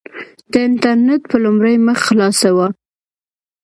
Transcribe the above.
د انټرنېټ په لومړۍ مخ خلاصه وه.